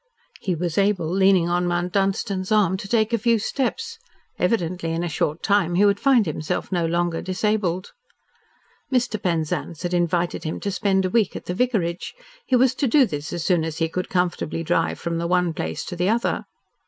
He was able, leaning on Mount Dunstan's arm, to take a few steps. Evidently, in a short time, he would find himself no longer disabled. Mr. Penzance had invited him to spend a week at the vicarage. He was to do this as soon as he could comfortably drive from the one place to the other.